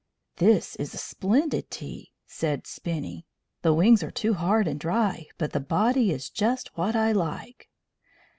"This is a splendid tea!" said Spinny. "The wings are too hard and dry, but the body is just what I like."